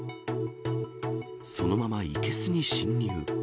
そのまま生けすに進入。